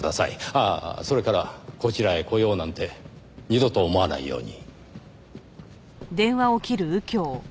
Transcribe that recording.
ああそれからこちらへ来ようなんて二度と思わないように。